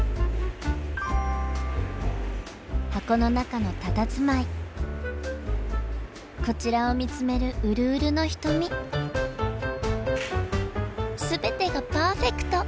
箱の中のたたずまいこちらを見つめるうるうるの瞳全てがパーフェクト！